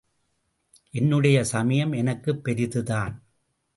என்னுடைய சமயம் எனக்குப் பெரிதுதான்.